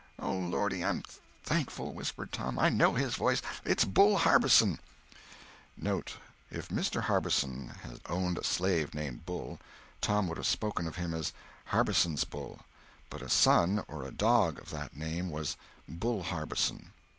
"Oh, lordy, I'm thankful!" whispered Tom. "I know his voice. It's Bull Harbison." *[* If Mr. Harbison owned a slave named Bull, Tom would have spoken of him as "Harbison's Bull," but a son or a dog of that name was "Bull Harbison."